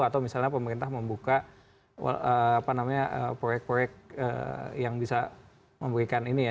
atau misalnya pemerintah membuka proyek proyek yang bisa memberikan ini ya